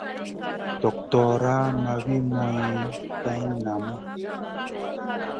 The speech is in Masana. Doktora ma wi moyne geyn namu.